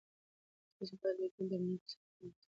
تاسو باید د کلي د امنیت په ساتنه کې مرسته وکړئ.